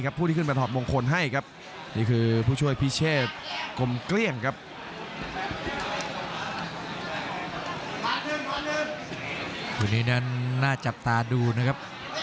วันนี้นั้นน่าจับตาดูนะครับ